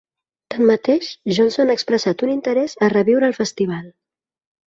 Tanmateix, Johnson ha expressat un interès a reviure el festival.